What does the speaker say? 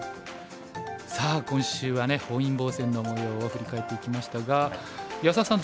さあ今週はね本因坊戦のもようを振り返っていきましたが安田さん